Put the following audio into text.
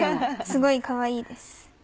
すごいかわいいです。